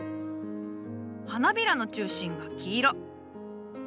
花びらの中心が黄色。